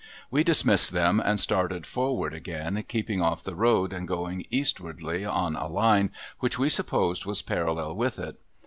We dismissed them and started forward again keeping off the road and going eastwardly on a line which we supposed was parallel with it.